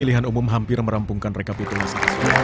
pilihan umum hampir merampungkan rekapitulasi